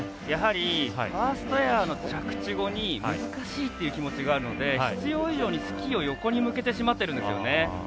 やはりファーストエアの着地後に難しいっていう気持ちがあるので必要以上にスキーを横に向けてしまってるんですよね。